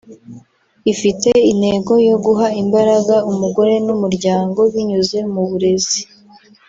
ifite intego yo guha imbaraga umugore n’umuryango binyuze mu burezi